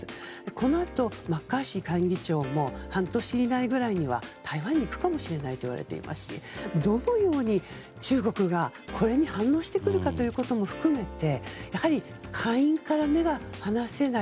このあとマッカーシー下院議長も半年以内ぐらいには台湾に行くかもしれないといわれていますしどのように中国がこれに反応してくるかということも含めて下院から目が離せない